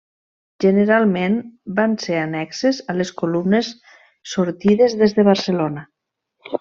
Generalment van ser annexes a les columnes sortides des de Barcelona.